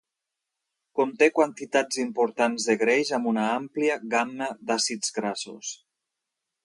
Conté quantitats importants de greix amb una àmplia gamma d'àcids grassos.